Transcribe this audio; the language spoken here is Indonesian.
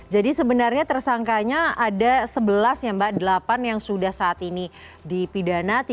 jadi sebenarnya tersangkanya ada sebelas ya mbak delapan yang sudah saat ini dipidana